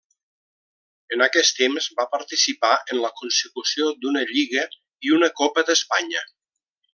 En aquest temps va participar en la consecució d'una Lliga i una Copa d'Espanya.